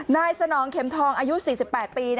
สนองเข็มทองอายุ๔๘ปี